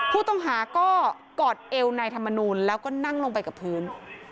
ผู้ต้องหาก็กอดเอวนายธรรมนูลแล้วก็นั่งลงไปกับพื้น